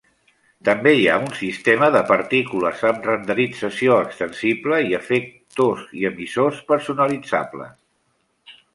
També hi ha un sistema de partícules amb renderització extensible i efectors i emissors personalitzables.